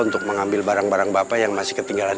untuk mengambil barang barang bapak yang masih ketinggalan